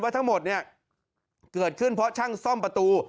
ทั้งหมดเนี่ยเกิดขึ้นเพราะช่างซ่อมประตู